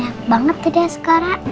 enak banget tuh dia sekarang